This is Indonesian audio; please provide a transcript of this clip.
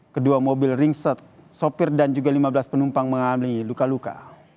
kedua mobil ringset sopir dan juga lima belas penumpang mengalami luka luka